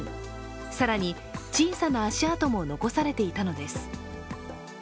更に、小さな足跡も残されていたのです。